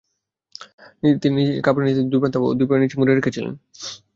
তিনি কাপড়ের দুই প্রান্ত মাথা ও দুই পায়ের নিচে মুড়ে রেখেছিলেন।